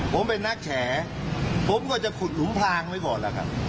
ผมเป็นนักแฉผมก็จะขุดหลุมพลางไว้ก่อนล่ะครับ